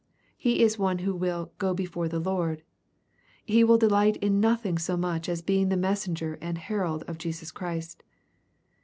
— He is one who will " go before the Lord," — he will delight in nothing so much as being the messenger and herald of Jesus Christ.